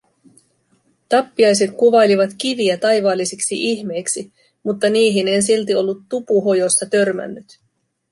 Tappiaiset kuvailivat kiviä taivaallisiksi ihmeiksi, mutta niihin en silti ollut Tupuhojossa törmännyt.